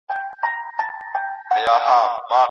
ګلالۍ د کور چارو تر څنګ د مېړه کار ته هم فکرمنده وه.